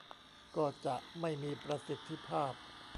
ก็จะไม่มีประสิทธิภาพ